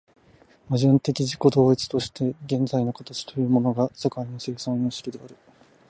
矛盾的自己同一として現在の形というものが世界の生産様式である。